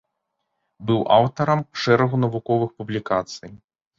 Быў аўтарам шэрагу навуковых публікацый.